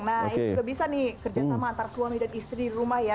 nah itu juga bisa nih kerja sama antara suami dan istri di rumah ya